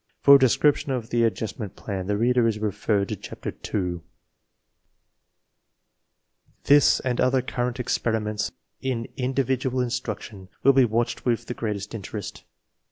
!For a description of the Adjustment Plan the reader is V referred to Chapter 2. X^This and other current experiments in individual in f struction will be watched with the greatest interest.